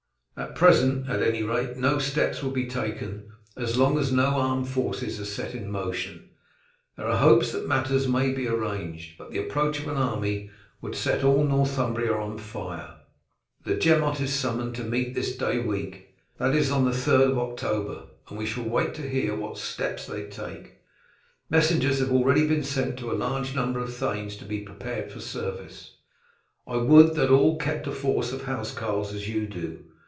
At present, at any rate, no steps will be taken. As long as no armed forces are set in motion there are hopes that matters may be arranged, but the approach of an army would set all Northumbria on fire. The Gemot is summoned to meet this day week that is on the third of October and we shall wait to hear what steps they take. Messengers have already been sent to a large number of thanes to be prepared for service. I would that all kept a force of housecarls as you do.